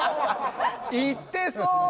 言ってそう！